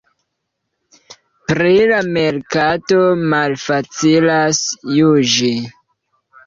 Pri la merkato malfacilas juĝi.